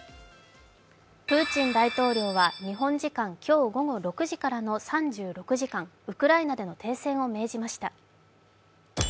プーチン大統領は日本時間今日午後６時からの３６時間、ウクライナでの停戦を命じました。